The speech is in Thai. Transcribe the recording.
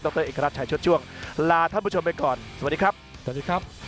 โปรดติดตามตอนต่อไป